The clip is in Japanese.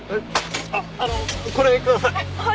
あのこれください。